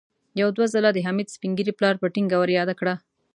يو دوه ځله د حميد سپين ږيري پلار په ټينګه ور ياده کړه.